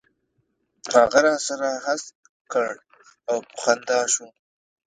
هغه سر را هسک کړ او په خندا شو.